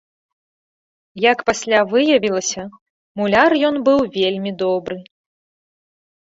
Як пасля выявілася, муляр ён быў вельмі добры.